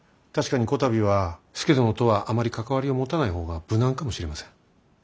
確かにこたびは佐殿とはあまり関わりを持たない方が無難かもしれません。